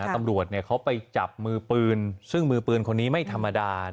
ตำรวจเขาไปจับมือปืนซึ่งมือปืนคนนี้ไม่ธรรมดา